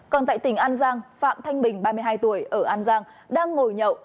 còn tại tỉnh an giang phạm thanh bình ba mươi hai tuổi ở an giang đang ngồi nhậu